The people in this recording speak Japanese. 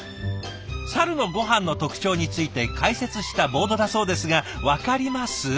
サルのごはんの特徴について解説したボードだそうですが分かります？